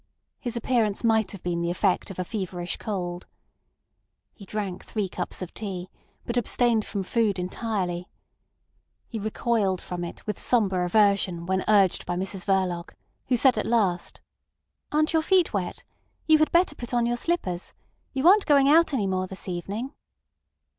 His appearance might have been the effect of a feverish cold. He drank three cups of tea, but abstained from food entirely. He recoiled from it with sombre aversion when urged by Mrs Verloc, who said at last: "Aren't your feet wet? You had better put on your slippers. You aren't going out any more this evening."